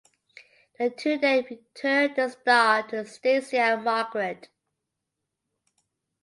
The two then return the Star to Stacy and Margaret.